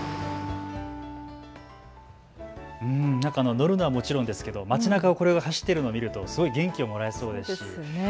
乗るのはもちろんですけど町なかをこれが走っているのを見るとすごく元気をもらえそうですね。